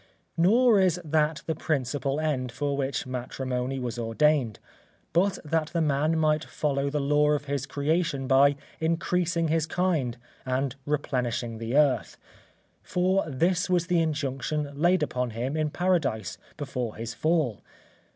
Nor is that the principal end for which matrimony was ordained, but that the man might follow the law of his creation by increasing his kind and replenishing the earth; for this was the injunction laid upon him in Paradise, before his fall.